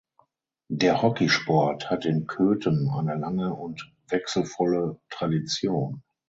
Der Hockeysport hat in Köthen eine lange und wechselvolle Tradition.